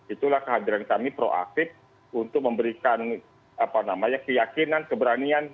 itulah kehadiran kami proaktif untuk memberikan keyakinan keberanian